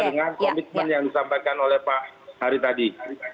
dengan komitmen yang disampaikan oleh pak hari tadi